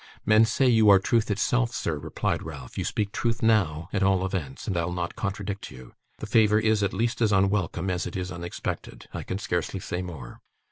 'Men say you are truth itself, sir,' replied Ralph. 'You speak truth now, at all events, and I'll not contradict you. The favour is, at least, as unwelcome as it is unexpected. I can scarcely say more.